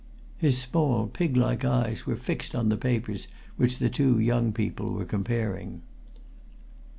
His small, pig like eyes were fixed on the papers which the two young people were comparing.